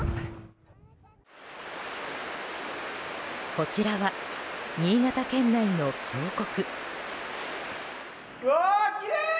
こちらは新潟県内の峡谷。